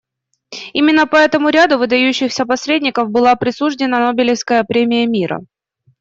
Именно поэтому ряду выдающихся посредников была присуждена Нобелевская премия мира.